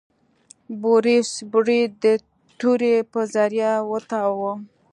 بوریس برید د تورې په ذریعه وتاوه.